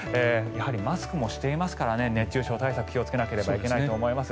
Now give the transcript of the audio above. マスクもしていますから熱中症対策、気をつけなければいけいないと思います。